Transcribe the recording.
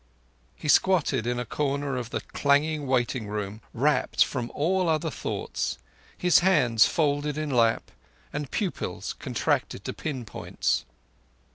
He squatted in a corner of the clanging waiting room, rapt from all other thoughts; hands folded in lap, and pupils contracted to pin points.